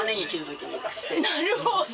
なるほど！